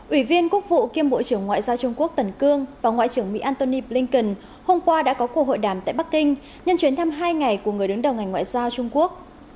ủy viên quốc vụ kiêm bộ trưởng ngoại giao trung quốc tần cương và ngoại trưởng mỹ antony blinken hôm qua đã có cuộc hội đàm tại bắc kinh nhân chuyến thăm hai ngày của người đứng đầu ngành ngoại giao trung quốc